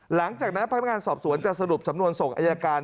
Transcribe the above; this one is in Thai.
หลังจากนั้นพนักงานสอบสวนจะสรุปสำนวนส่งอายการ